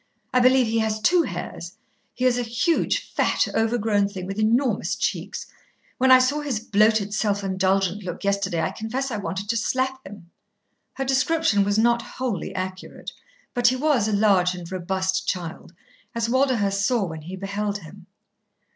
I believe he has two hairs. He is a huge, fat, overgrown thing with enormous cheeks. When I saw his bloated self indulgent look yesterday, I confess I wanted to slap him." Her description was not wholly accurate, but he was a large and robust child, as Walderhurst saw when he beheld him.